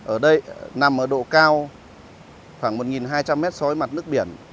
ở đây nằm ở độ cao khoảng một hai trăm linh m so với mặt nước biển